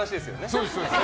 そうですよ。